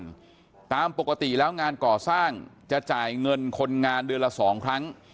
ตามปกติแล้วงานก่อสร้างจะจ่ายเงินคนงานเดือนละสองครั้ง